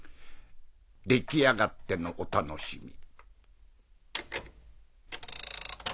出来上がってのお楽しみ。